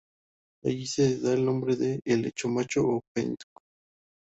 Allí se le da el nombre de ""helecho macho"" o ""penco"".